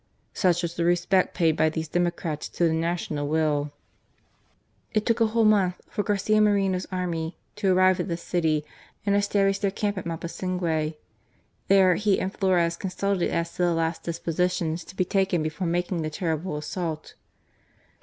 Such was the respect paid by these democrats to the national will. It took a whole month for Garcia Moreno's army to arrive at the city and establish their camp at Mapasingue. There he and Flores consulted as to the last dispositions to be taken before making the terrible assault.